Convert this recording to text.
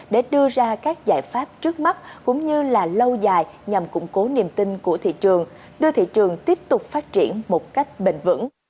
để đưa ra các giải pháp trước mắt cũng như là lâu dài nhằm củng cố niềm tin của thị trường đưa thị trường tiếp tục phát triển một cách bền vững